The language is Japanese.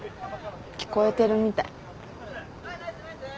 聞こえてるみたい。